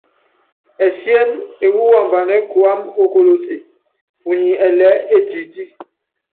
Ɛsíɛ́nɛ́ ewú wambanɛ́ kuáma ókolóse, unyi ɛlɛɛ́ etití.